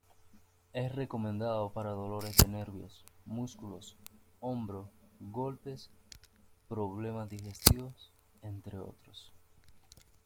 Es recomendado para dolores de nervios, músculos, hombro, golpes, problemas digestivos, entre otros.